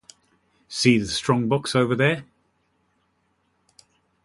See the strong-box over there?